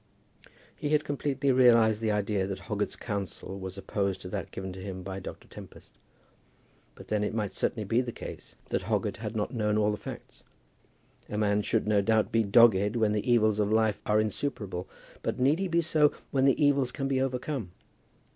He had completely realized the idea that Hoggett's counsel was opposed to that given to him by Dr. Tempest; but then it might certainly be the case that Hoggett had not known all the facts. A man should, no doubt, be dogged when the evils of life are insuperable; but need he be so when the evils can be overcome?